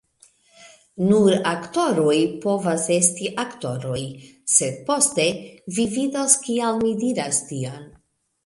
"Nur aktoroj povas esti aktoroj." sed poste, vi vidos kial mi diras tion.